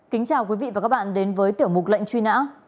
kính chào quý vị và các bạn đến với tiểu mục lệnh truy nã